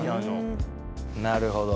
なるほど。